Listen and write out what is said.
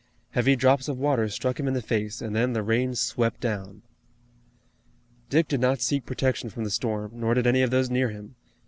Heavy drops of water struck him in the face and then the rain swept down. Dick did not seek protection from the storm, nor did any of those near him.